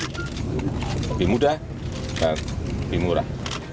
lebih mudah dan lebih murah